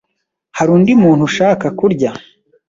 Hari undi muntu ushaka kurya?